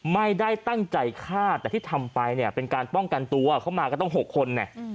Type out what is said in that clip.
ไม่ได้ตั้งใจฆ่าแต่ที่ทำไปเนี่ยเป็นการป้องกันตัวเขามาก็ต้อง๖คนเนี่ย